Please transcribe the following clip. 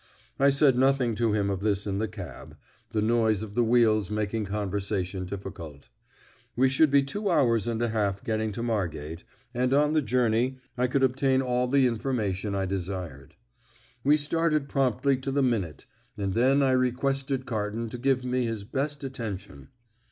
I said nothing to him of this in the cab, the noise of the wheels making conversation difficult. We should be two hours and a half getting to Margate, and on the journey I could obtain all the information I desired. We started promptly to the minute, and then I requested Carton to give me his best attention.